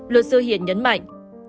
luật sư hiển nhấn mạnh